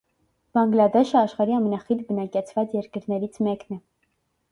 Բանգլադեշը աշխարհի ամենախիտ բնակեցված երկրներից մեկն է։